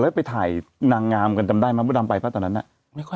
แล้วไปอยู่ถ่ายนางงามกันจำได้มั้ยว่าตอนนั้นไปป่ะ